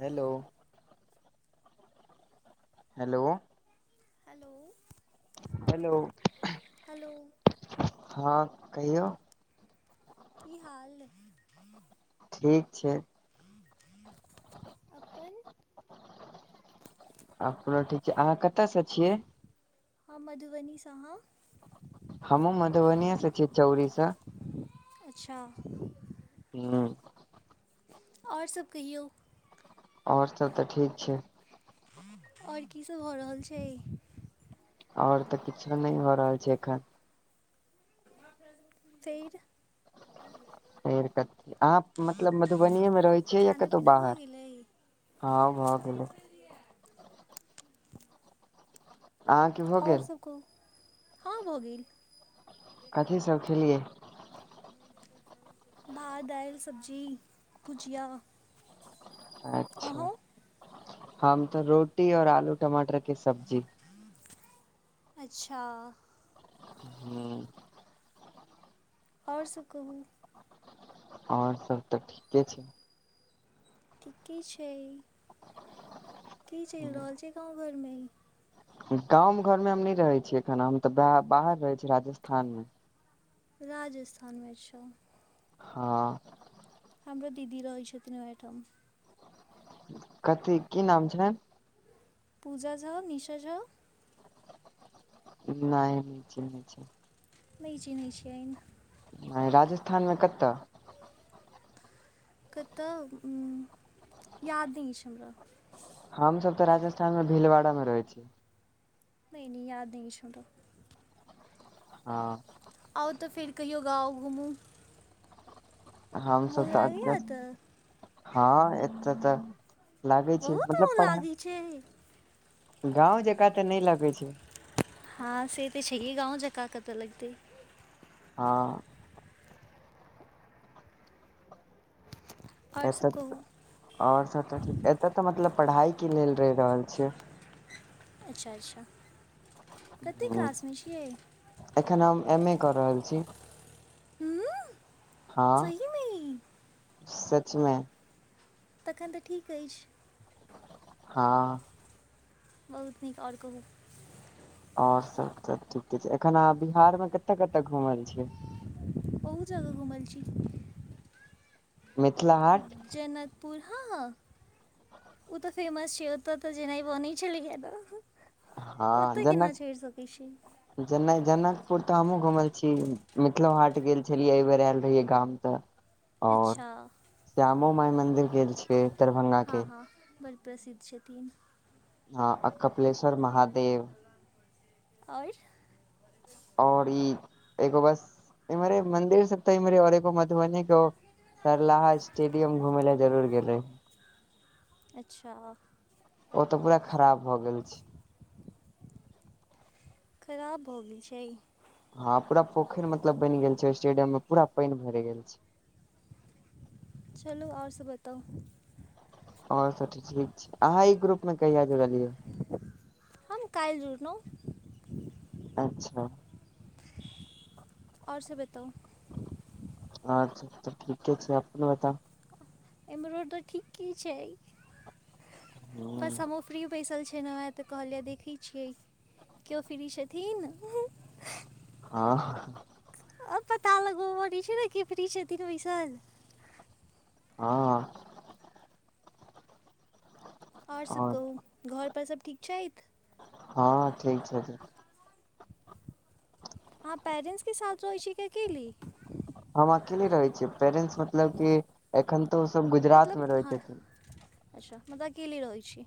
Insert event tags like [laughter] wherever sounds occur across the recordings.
Hello hello hello hello hello हँ कहियौ की हाल ठीक छै अपन अपनो ठीक छै अहाँ कतसँ छियै हम मधुबनीसँ अहाँ हमहुँ मधुबनी स छियै चौरी स अच्छा हू आओर सब कहियौ आओर सब तऽ ठीक छै आओर की सब भऽ रहल छै आओर तऽ किछो नै भ रहल छै एखन फेर फेर कथी आप मतलब मधुबनीए मे रहै छियै या खाना कतौ पीना भऽ बाहर गेलै हँ भऽ गेले अहाँके भऽ और गेल सभ कहू [inaudible] हँ भऽ गेल कथी सब खेलियै भात दाइल सब्जी [inaudible] भुजिया अच्छा अहूँ [inaudible] हम तऽ रोटी और आलू टमाटर केँ सब्जी [unintelligible] अच्छा हू [unintelligible] और सब कहू और सब तऽ ठीके छै ठीकेँ छै [inaudible] की चैल रहल छै गाँव घर में ई गाँव घर में हम नै रहै छियै एखन हम तऽ बै बाहर रहै छिये राजस्थान में राजस्थान में छ हँ हमरो दीदी रहै छथिन वहै ठाम कथी की नाम छैन पूजा झा निशा झा नै नई चिन्हे छै नै चिनहाइ छियेन राजस्थान में कऽ तऽ [inaudible] क तऽ याद नै ऐछ हमरा हम सब तऽ राजस्थान म भीलवाड़ा म रहै छियै नै नै याद नै हमारा हँ आउ तऽ फिर कहियो गाँव घुमू हम सब मोन तऽ लागैए तऽ [unintelligible] हँ एतऽ तऽ लागै छै बहुत मतलब पढ़ाई [unintelligible] गाँव जेकाँ तऽ नै लगै छै हँ से तऽ छैइहे गाँव जेकाँ कतऽ लगतै हँ आओर सब एतऽ कहू [inaudible] और सब तऽ ठीक एतऽ तऽ मतलब पढ़ाइ केँ लेल रहि रहल छियै अच्छा अच्छा कते क्लासमे छियै [inaudible] एखन हम एम ए कऽ रहल छी हँ [unintelligible] सहीमे सचमे तखन तऽ ठीक ऐछि हँ बहुत नीक और कहु और सब तऽ ठीके छैय एखन अहाँ बिहार मे कतऽ कतऽ घुमल छियै बहुत जगह घूमल छी मिथिला हाट जनकपुर ह ह ओ तऽ फेमस छै ओ तऽ तऽ जेनाय बनैय छैय लेकिन एतह ह छी जेनक [inaudible] नहि जनकपुर तऽ हमहु घुमल छी मिथिलो हाट गेल छलियै एहि बेर आयल रहियै गाम तऽ और अच्छा श्यामो माई मन्दिर गेल अछि। ह ह बड़ प्रसिद्ध छथिन ह आ कपिलश्वर महादेव और। और ई एगो बस इम्हरे मन्दिर सभ त और एगो मधुबनी एतह सरलाहा स्टेडियम घुमै लऽ जरूर गेल रहि अच्छा हा ओ त पूरा खराब भऽ गेल छैय खराब भऽ गेल छैय ह पुरा पोखर मतलब बयैन गेल छैय स्टेडियमे पुरा पाइन भरि गेल छैय। [inaudible] चलू और सभ बताउ और सभ ठीक छैय अहाँ इ ग्रुप में कहिया जुड़लियै हम कयल जुड़लौ। अच्छा। और सभ बताउ अच्छा त ठीके छैय अपन बताउ एम्हरो तऽ ठीके छैय बस हूँ, हमहु फ्री बैसल छै लौय त कहलिय देखै छिय किओ फ्री छथिन आ अ पता लग बी छै ने कऽ फ्री छथि तऽ पैसन ह। और सभकहु घरपर सभ ठीक छैथ हैं ठीक छथिन हँ पेरेट्स के साथ रोइशिके कि अकेले ली हम अकेले रहे छियै पेरेंटस मतलब क एखन तो ओ सभ गुजरात मे रहै ह छथिन अच्छा मतलब तब अकेले रहै छी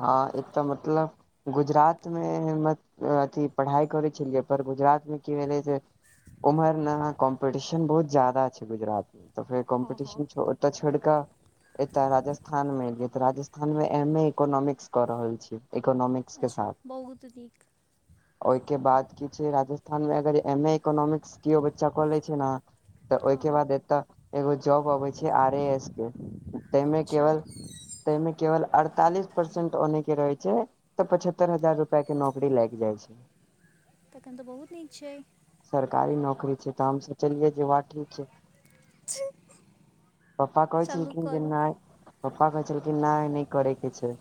ह एक तऽ मतलब गुजरातमे अथी पढ़ाइ करै छलियै पर गुजरातमे कि भेलै से उम्हर ने कम्पटिशन बहुत जदा छैय गुजरात मे फर हँ हँ कम्पटिशन तऽ छोड़ कऽ एत्त राजस्थान मे एलियै तऽ राजस्थान मे एम ए इकोनोमिकस क रहल छिय इकोनोमिक्स अच्छा बहुत नीक। ओहिके बाद कि छैय राजस्थान मे अगर एम इकोनॉमिक्स किओ बच्चा कऽ लैय छैय नै ओहिके हँ बाद एतय एगो जॉब अबै छै आर एस के ताहिमे अच्छा केवल ताहिमे केवल अड़ताली सँ परसेंट ओनेहते रहे छै त। पचहत्तर हजार रुपआ के नौकरी लागि जाइ छै तखन त बहुत नीक छै सरकारी नौकरी छै त हम सोचलियै जे वाह ठीक छै पप्पा कोइ छल चलू कि जे करू नहि पप्पा कहै छलखिन नहि नहि करे के छै।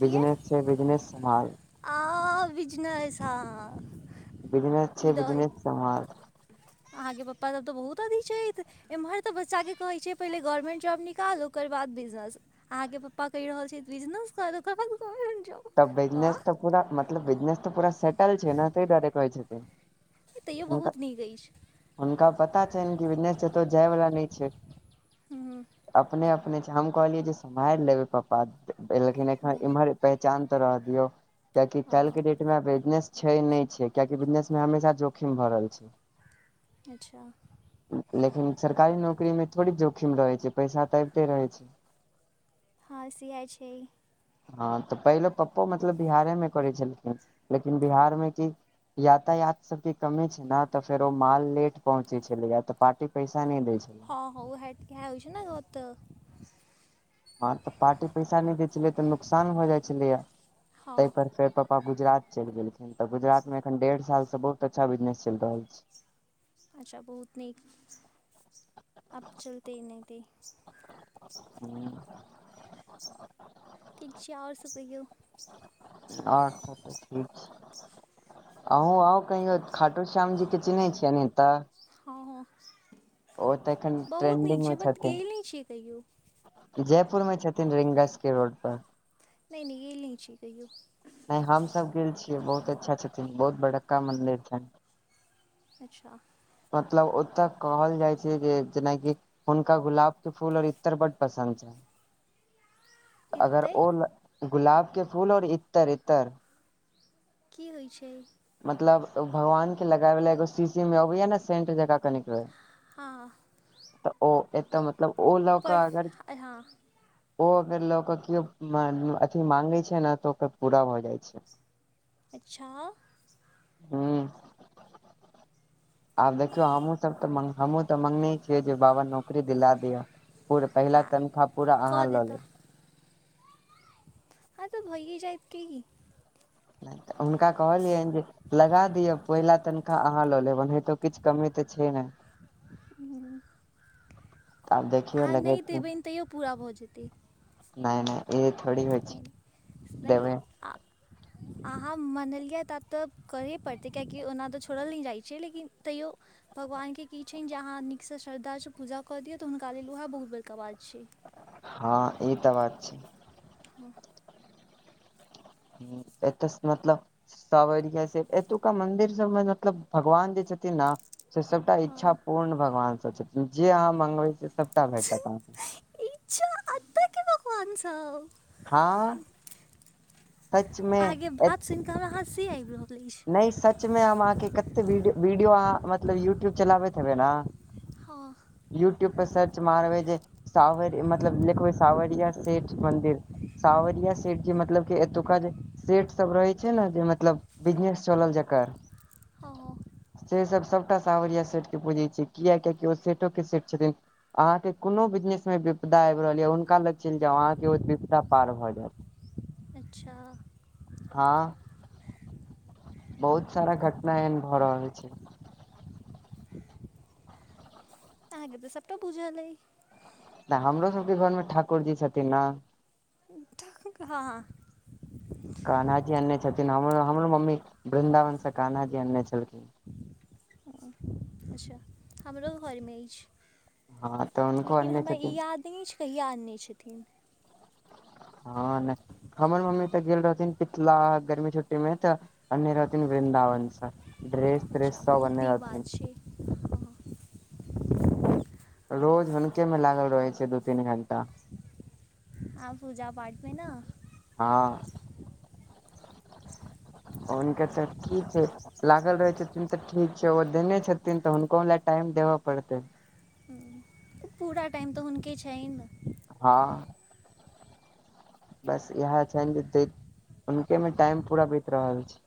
किया बिजनेस छै बिजनेस सम्हाल आ बिजने ह बिजनेस छै बिजनेस सभाल। अहाँके पप्पासभ तऽ बहुत अथी छथि एम्हर तऽ बच्चा के कहैत छै पहिले गवर्नमेंट जॉब निकाल ओकर बाद बिजनेस अहाँ के पप्पा कहि रहल छै बिजनेस कर [unintelligible] तऽ बिजनेस वाह तऽ मतलब बिजनेस तऽ पूरा सेटल छै ने तै दुआरे कहै छथिन तैयो हुनका बहुत नीक अइछ हुनका पता छनि कि बिजनेस कतौ जाय वाला नहि छै - हँ - अपने अपने छै हम कहलियै जे सम्हारि लेबै पापा लेकिन एखन इम्हर पहचान तऽ रह' दियौ कियाकि काल्हि हँ के डेट मे बिजनेस छै नहि छै कियाकि बिजनेस मे हमेशा जोखिम भ रहल छै अच्छा लेकिन सरकारी नौकरी मे थोड़ी जोखिम रहै छै पैसा तऽ ऐबते रहै छै [inaudible] हँ सियाइ छै हँ तऽ पहिले पप्पो मतलब बिहारे मे करै छलखिन लेकिन बिहार मे कि यातायात सब के कमी छै ने ते फेरो माल लेट पहुंचे छलैया त पार्टी पैसा नै दै छैे हं हं ओ हाइट के होइ छै ने ओत्त हँ तऽ पार्टी पैसा नहि दै छलियै तऽ नुकसान भ' जाइ छलैया हँ तै पर फेर पप्प पा गुजरात चलि गेलखिन तऽ गुजरात मे एखन डेढ़ साल से बहुत अच्छा बिजनेस चलि रहल छै अच्छा बहुत नीक - - अब चलते नहि ते [unintelligible] ठीक छै आओर सब कहियौ और सब त ठीक छै अहूँ आउ कहियो खाटु श्याम जी के चिन्है छियैनि एतऽ हँ हँ एखन - बहुत नीक ट्रेंडिंग छै मे बट छथिन गेल नहि छियै कहियो जयपुर मे छथिन रिंग बसके रोड पर नै नै गैल नै छियै कहियो नै हमसभ गेल छियै बहुत अच्छा छथिन बहुत बड़का मन्दिर छनि अच्छा मतलब ओतऽ कहल जाइ छै जे जेनाकि हुनका गुलाब के फूल और इत्तर बड़ पसन्द छैैन अगर एतै ओल, गुलाब के फूल और इत्तर इत्तर की होइ छै मतलब, भगवान के लगाबैला एगो सीशी मे अबैया न सेंट जकां कनिक हँ तऽ, ओ एतऽ मतलब ओ लऽ पर कऽ अगर हँ ओ अगर लऽकऽ किओ अथी माँंगै छै ने तऽ ओकर पूरा भऽ जाइ छै अच्छा हुं आब देखियौ हमहूँ सभ तऽ हमूँ तऽ मंगने छियै जे बाबा नौकरी दिला दिअ धूर पहिला हँ तनख्वाह पूरा अहाँ कऽ लऽ देता लेब हँ तऽ भइए जायत कि तऽ हुनका कहलियैन जे लगा दिय पहिला तनखा अहाँ लऽ लेब ओनाहितो किछु कमी तऽ छै नै हुं आब देखियौ अहाँ, नइ देबेन तैयो पूरा भऽ जेतै नाय नाय ए थोड़ी होय छै नहि नहि देबय आ अहाँ मनलियै ता तऽ करहे पड़तै, कियाकी ओना तऽ छोड़ल नै जाइ छै लेकिन तैयो भगवान के कि छैन जे, अहाँ नीक सँ, श्रद्धा सँ, पूजा कऽ दिया तऽ हुनका लेल ओएह बहुत बड़का बात छै। ह ई तऽ बात छै हूँ। एतऽ मतलब, सावरिया से एतुका मंदिर सभमे मतलब भगवान जे छथिन से सभटा इच्छा हँ। पूर्ण भगवान सँ छथिन, जे अहाँ मगबै सभटा भेटत अहाँकेँ अच्छा अते के भगवान सव हा, सचमे अहाँके बात सुन के, हमरा हसी आबि रहल अछि नहि सचमे, हम अहाँकेँ कते वीडियो, वीडियो अहाँ मतलब यूट्यूब चलाबैत हेबै ने? हा यूट्यूब पर सर्च मारबै जे, सावर मतलब लिखबै सावरिया सेठ मन्दिर। सावरिया सेठ जे, मतलब के एतुका जे सेट सभ रहै छै ने, जे मतलब बिजनेस चलल जकर हँ से सभ सभटा सावरिया सेठ के बुजै छै, कियकि ओ सेठो के सेठ छथिन अहाँकेँ कोनो बिजनेस मे विपदा आबि रहल, हुनका लग चलि जाउ अहाँकेँ, ओ विपदा पार भऽ जायत [inaudible] अच्छा। हा, बहुत सारा घटना एहन भऽ रहल छै। आ गे तऽ सभटा बूझा लै ता, हमरो सभके घरमे ठाकुर जी छथिन ना? हा कान्हा जी आने छथिन, हमरो, हमरो मम्मी वृन्दावन से कान्हा जी आनने छलथिन। अच्छा, हमरो घर मे हँ तऽ अछि हुनको लेकिन अनने हमरा ई छथिन याद नीच कहिया आनले छथिन। हा नय, हमर मम्मी तऽ गेल रहथिन पितला गर्मी छुट्टी मे तऽ अनले रहथिन वृन्दावन से, ड्रेस स अच्छा सभ बहुत अनले नीक रहथिन बात छै हँ रोज हुनके मे लागल रहैत छै, दू तीन घंटा आ, पूजा पाठ मे न हा ओनके तऽ कि छै लागल रहैत छथिन तऽ ठीक छै, ओ देने छथिन तऽ हुनको ल टाइम देबय पड़तेन। ह। पूरा टाइम तऽ हुन के छइम हा बस इहए छनि जते हुनके मे टाइम पूरा बीत रहल छै।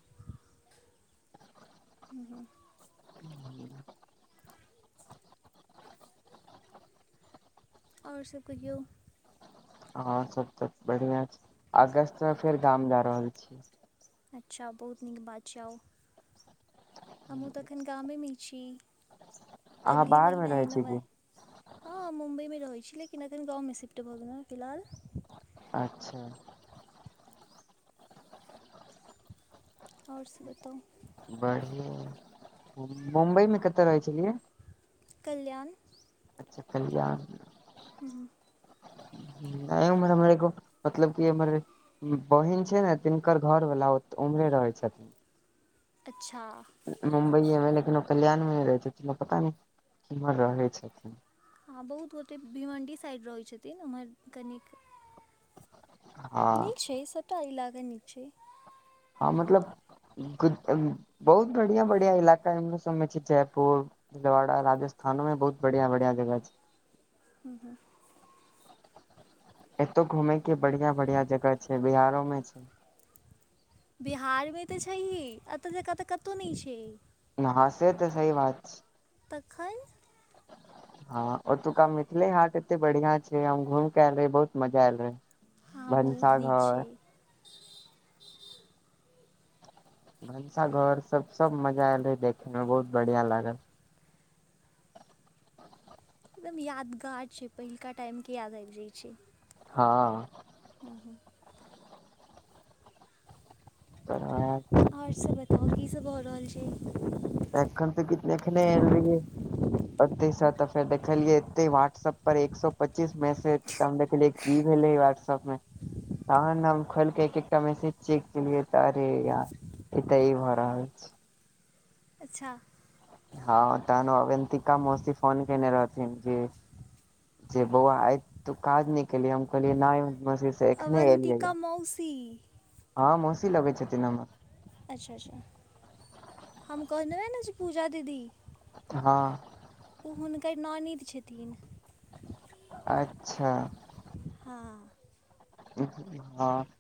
हम्म, [unintelligible] और सभ कहियौ। और सभ तऽ बढ़िया छै अगस्त मे फेर गाम जा रहल छी अच्छा बहुत नीक बात छै आउ हमहु तऽ अखन कामी मिछी अहाँ अगले बाहर मे महीना रहै छी एनोमाय की हा, मुम्बइ मे रहैत छी लेकिन, एखन गाव मे शिफ्ट भऽ गेलह फिलहाल। अच्छा। ओर सभ बताओ। बहिन, मुम्बई मे कते रहै छलियै। कल्याण अच्छह कल्यान हुँ नहि उम्हर हमर एगो मतलब की हमर बहिन छै नऽ तिनकर घर वाला ओ उम्हरे रहै छथिन अच्छह मुम्बइए मऽ लेकिन ओ कल्याण मे रहै छथिन पता नय किम्हर रहै छथिन हँ बहुत गोटे भीमण्डी साइड रहै छथिन ओम्हर कनिक हँ नीक छै सभटा इलाका नीक छै हँ मतलब [unintelligible] बहुत बढ़िया बढ़िया इलाका एमहरो सबमे छै जयपुर भीलवाड़ा राजस्थानो मे बहुत बढ़िया बढ़िया जगह छै हुँ हुँ एतौ घूमेय केँ बढ़िया बढ़िया जगह छै बिहारो मे छै बिहारमे तऽ छै ही एतऽ जकाँ तऽ कतहु नय छै हँ सेे तऽ सही बात छै तखन [inaudible] हँ ओतुका मिथिले हाट एते बढ़िया छै हम घूम केँ आयल रहिये बहुत मजा आयल रहे हँ बहुत भनसा नीक घर छै भनसा घर सब - सब मजा ऐलै देखेमे बहुत बढ़िया लागल एकदम यादगार छै पहिलका टाइम केँ याद आइब जाइ छै हँ हुँ - हुँ तब अहाँक आओर सब बताउ की सब भऽ रहल छै एखन तऽ किछ नै एखने ऐल रहियै ओतेसँ तऽ फेर देखलियै एते व्हाटसऐप पर एक सौ पच्चीस मैसेज तऽ हम देखलियै की भेलै व्हाटसप मे तहन हम खोलि कऽ एक एकटा मैसेज चेक केलियै तऽ अरे यार एतऽ ई भऽ रहल छै अच्छा हँ तहन अवन्तिका मौसी फोन केने रहथिन जे जे बौआ आइ तू काज नय केलही हम कहलियै नय मौसी से एखने एलियै अवन्तिका मौसी हँ मौसी लगै छथिन हमर अच्छा अच्छा हम कहने रही जे पूजा दीदी हँ उ हुनकर ननैद छथिन अच्छा हँ हँ